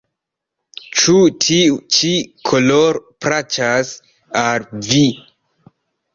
Ĉu tiu ĉi koloro plaĉas al vi?